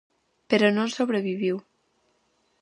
Pero non sobreviviu.